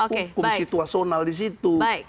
kekuatan situasional di situ